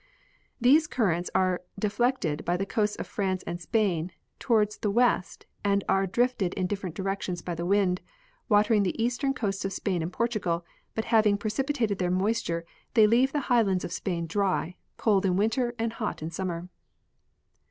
These currents are deflected by the coasts of France and Spain toward the west and are drifted in different directions by the wind, watering the eastern coasts of Spain and Portugal, but having precipitated their moisture they leave the high lands of Spain dry, cold in winter and hot in summer.